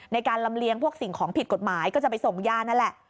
ในการลำเลียงพวกสิ่งของผิดกฎหมายก็จะไปส่งยานั่นแหละ